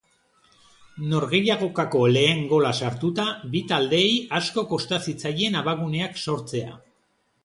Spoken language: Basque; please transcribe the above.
Norgehiagokako lehen gola sartuta, bi taldeei asko kosta zitzaien abaguneak sortzea.